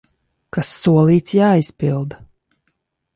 Kas solīts, jāizpilda!